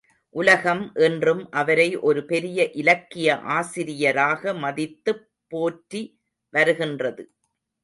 உலகம் இன்றும் அவரை ஒரு பெரிய இலக்கிய ஆசிரியராக மதித்துப் போற்றி வருகின்றது.